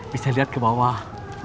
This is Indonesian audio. bisa liat ke bawah